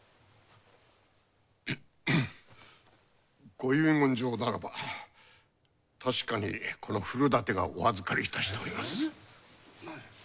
ご遺言状ならば確かにこの古館がお預かりいたしております。